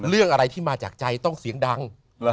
เรื่องอะไรที่มาจากใจต้องเสียงดัง